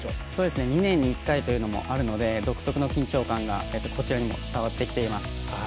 ２年に１回というのもあるので独特の緊張感がこちらにも伝わってきています。